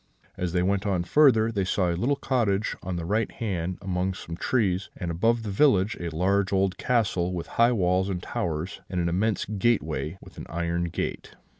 As they went on farther, they saw a little village on the right hand among some trees; and, above the village, a large old castle, with high walls and towers, and an immense gateway with an iron gate.